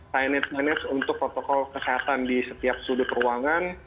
signage untuk protokol kesehatan di setiap sudut ruangan